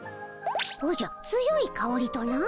おじゃ強いかおりとな。